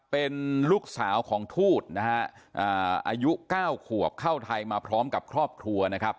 เป็นลูกสาวของทูตนะฮะอายุ๙ขวบเข้าไทยมาพร้อมกับครอบครัวนะครับ